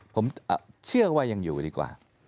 ผมเชื่อว่ายังอยู่ดีกว่า